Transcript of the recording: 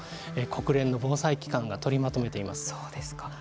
国連の防災機関が取りまとめています。